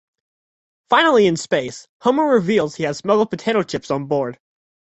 Finally in space, Homer reveals he has smuggled potato chips on board.